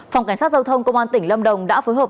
phòng cảnh sát giao thông công an tỉnh lâm đồng đã phối hợp